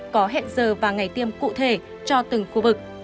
có hẹn giờ và ngày tiêm cụ thể cho từng khu vực